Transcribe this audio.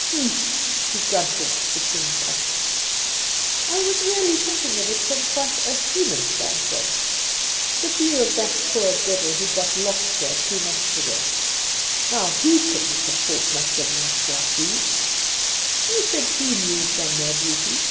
' H'm 1' he grunted between piiffs. ' I was really thinking of it from quite a human standpoint — the view of that poor deyil who got lost here two months ago. Now, he couldn't have thought much of nights like these. Do you think he mused on their beauty?'